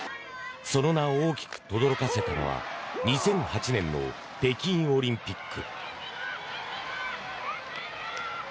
その名を大きくとどろかせたのは２００８年の北京オリンピック。